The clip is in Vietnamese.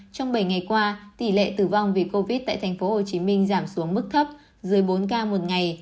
trong bảy ngày qua tỷ lệ tử vong vì covid tại thành phố hồ chí minh giảm xuống mức thấp dưới bốn ca một ngày